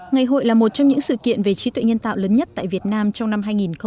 ngày hội là một trong những sự kiện về trí tuệ nhân tạo lớn nhất tại việt nam trong năm hai nghìn một mươi chín